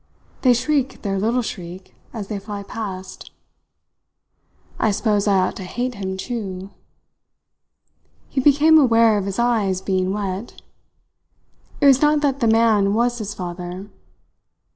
They shriek their little shriek as they fly past. I suppose I ought to hate him too ..." He became aware of his eyes being wet. It was not that the man was his father.